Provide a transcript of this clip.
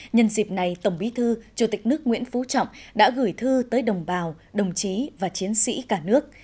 nhân dịp này tổng bí thư chủ tịch nước nguyễn phú trọng đã gửi thư tới đồng bào đồng chí và chiến sĩ cả nước